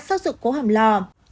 sau sự cố hầm lò